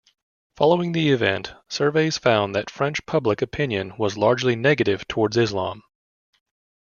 Following the event, surveys found that French public opinion was largely negative towards Islam.